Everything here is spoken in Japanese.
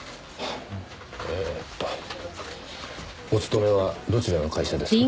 えーとお勤めはどちらの会社ですか？